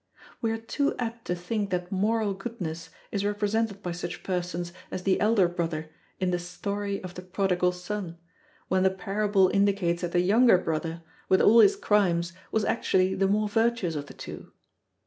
We are too apt to think that moral goodness is represented by such persons as the Elder Brother in the story of the Prodigal Son, when the parable indicates that the younger brother, with all his crimes, was actually the more virtuous of the two.